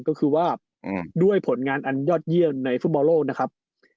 ก็คือว่าด้วยผลงานอันยอดเยี่ยมในฟุตบอลโลกนะครับ